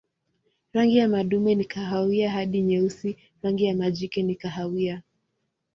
Rangi ya madume ni kahawia hadi nyeusi, rangi ya majike ni kahawia.